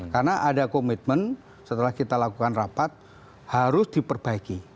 karena ada komitmen setelah kita lakukan rapat harus diperbaiki